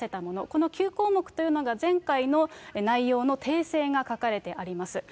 この９項目というのが前回の内容の訂正が書かれてあります。